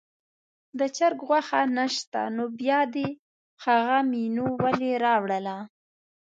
د چرګ غوښه نه شته نو بیا دې هغه مینو ولې راوړله.